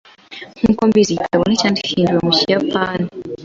Nkuko mbizi, igitabo nticyahinduwe mu kiyapani.